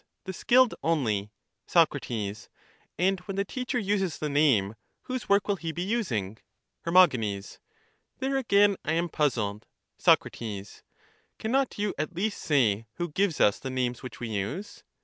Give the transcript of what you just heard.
The skilled only. Soc. And when the teacher uses the name, whose work will he be using? Her. There again I am puzzled. Soc. Cannot you at least say who gives us the names which we use?